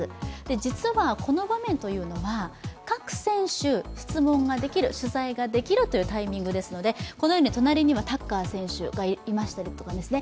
実はこの場面というのは各選手、質問、取材が出来るというタイミングですので、このように隣にはタッカー選手がいたりとかですね